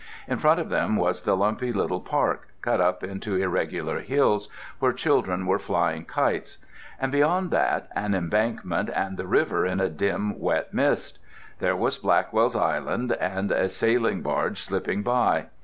In front of them was the lumpy little park, cut up into irregular hills, where children were flying kites. And beyond that, an embankment and the river in a dim wet mist. There was Blackwell's Island, and a sailing barge slipping by.